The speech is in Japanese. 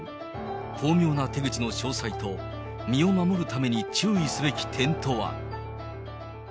巧妙な手口の詳細と、身を守るために注意すべき点とは。